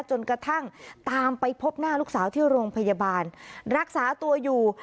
จนกระทั่งตามไปพบหน้าลูกสาวที่โรงพยาบาลรักษาตัวอยู่